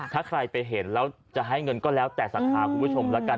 ถ้าใครไปเห็นแล้วจะให้เงินก็แล้วแต่ศรัทธาคุณผู้ชมแล้วกัน